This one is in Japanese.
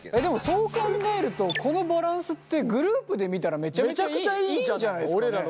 そう考えるとこのバランスってグループで見たらめちゃくちゃいいんじゃないですかね。